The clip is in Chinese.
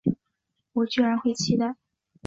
我居然会期待